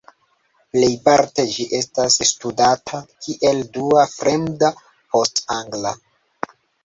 Plejparte ĝi estas studata kiel dua fremda post angla.